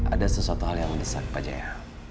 ada sesuatu hal yang mendesak pak jaya